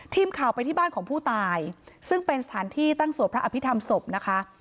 ทีมข่าวไปที่บ้านของผู้ตายซึ่งเป็นสถานที่ตั้งสวดพระอภิษฐรรมศพนะคะ